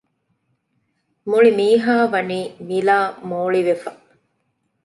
މުޅިމީހާވަނީ މިލާ މޯޅިވެފަ